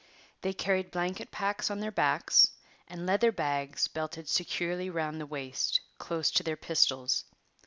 They carried blanket packs on their backs and leather bags belted securely round the waist close to their pistols.